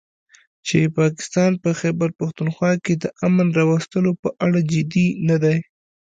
چې پاکستان په خيبرپښتونخوا کې د امن راوستلو په اړه جدي نه دی